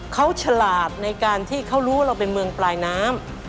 เขาฉลาดในการที่เขารู้ว่าเราเป็นเมืองปลายน้ำ